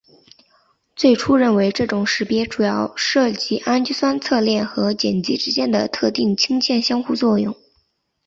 最初认为这种识别主要涉及氨基酸侧链和碱基之间的特定氢键相互作用。